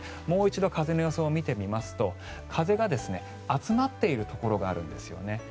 もう一度風の予想を見てみますと風が集まっているところがあるんですよね。